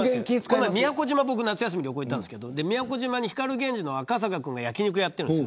この間、宮古島に夏休みに行ったんですけど宮古島で光ＧＥＮＪＩの赤坂君が焼き肉屋をやってるんです。